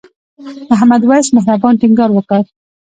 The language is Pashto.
محمد وېس مهربان ټینګار وکړ.